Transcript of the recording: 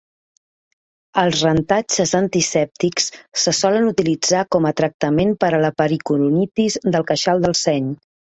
Els rentatges antisèptics se solen utilitzar com a tractament per a la pericoronitis del queixal del seny.